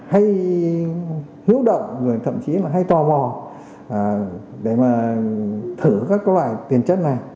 hay hiếu động thậm chí là hay tò mò để mà thử các loại tiền chất này